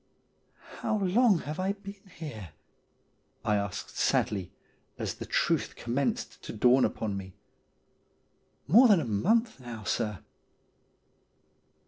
' How long have I been here ?' I asked sadly, as the truth commenced to dawn upon me. ' More than a month now, sir.'